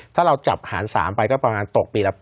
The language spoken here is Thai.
ถ้าเราจับหาญ๓ไปเราก็ตกปีละ๘